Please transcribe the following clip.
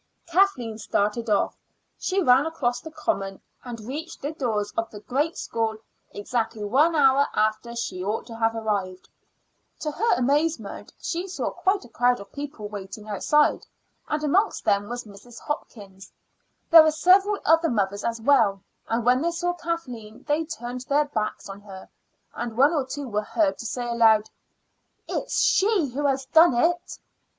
Kathleen started off. She ran across the common, and reached the doors of the great school exactly one hour after she ought to have arrived. To her amazement, she saw quite a crowd of people waiting outside, and amongst them was Mrs. Hopkins. There were several other mothers as well, and when they saw Kathleen they turned their backs on her, and one or two were heard to say aloud: "It's she who has done it."